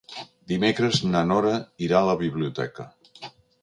Dimecres na Nora irà a la biblioteca.